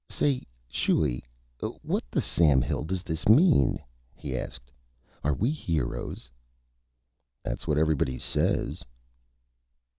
"Say, Schuy, what the Sam Hill does this mean?" he asked; "are we Heroes?" "That's what Everybody says."